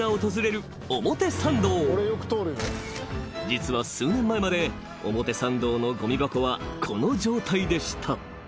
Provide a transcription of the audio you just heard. ［実は数年前まで表参道のごみ箱はこの状態でした］